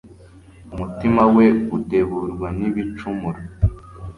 Umutima we udeburwa nibicumuro